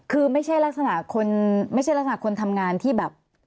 คือไม่ใช่ลักษณะคนทำงานที่แบบ